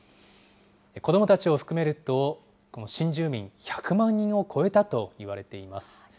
子どもたちを含めると、この新住民、１００万人を超えたといわれています。